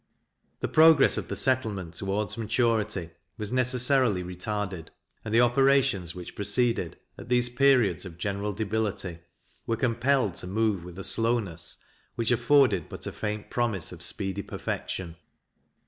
The progress of the settlement towards maturity was necessarily retarded; and the operations which proceeded, at these periods of general debility, were compelled to move with a slowness which afforded but a faint promise of speedy perfection.